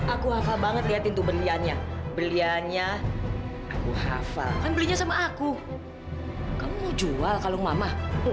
aku hafal banget lihat itu beliannya beliannya hafal belinya sama aku jual kalau mama